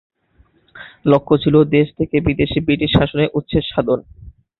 লক্ষ্য ছিল দেশ থেকে বিদেশি ব্রিটিশ শাসনের উচ্ছেদ সাধন।